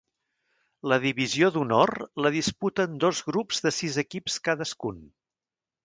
La Divisió d'Honor la disputen dos grups de sis equips cadascun.